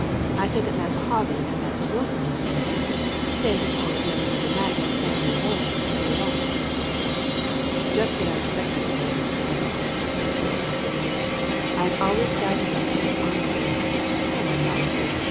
I said that Massa Harvey and Massa Wilson were here. He say he call again another night when the family alone, and rode off." "Just what I expected, sir," Harvey said, when the servant left the room. "I have always doubted that fellow's honesty." "Oh, nonsense!"